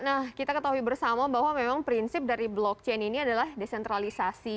nah kita ketahui bersama bahwa memang prinsip dari blockchain ini adalah desentralisasi